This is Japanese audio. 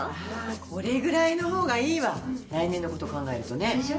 これぐらいのほうがいいわ来年のこと考えるとね。でしょ？